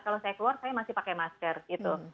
kalau saya keluar saya masih pakai masker gitu